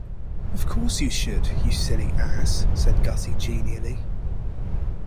"Of course you should, you silly ass," said Gussie genially.